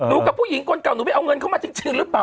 กับผู้หญิงคนเก่าหนูไปเอาเงินเข้ามาจริงหรือเปล่า